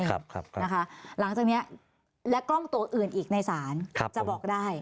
นะคะหลังจากนี้แล้วกล้องโต๊ะอื่นอีกในสารจะบอกได้